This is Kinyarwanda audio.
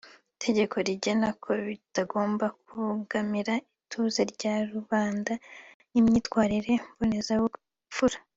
itegeko rigena ko bitagomba kubangamira ituze rya rubanda n’imyitwarire mbonezabupfura